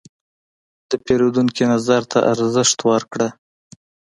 د پیرودونکي نظر ته ارزښت ورکړه.